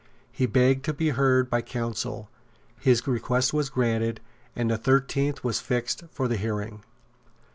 He begged to be heard by counsel; his request was granted; and the thirteenth was fixed for the hearing.